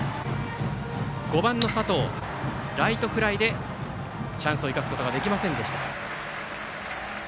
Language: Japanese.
５番の佐藤、ライトフライでチャンスを生かすことができませんでした。